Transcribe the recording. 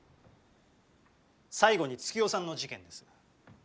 最後に月代さんの事件です。